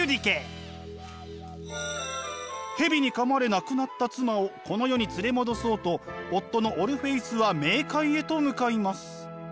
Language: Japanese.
蛇に噛まれ亡くなった妻をこの世に連れ戻そうと夫のオルフェウスは冥界へと向かいます。